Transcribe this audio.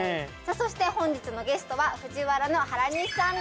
そして本日のゲストはＦＵＪＩＷＡＲＡの原西さんです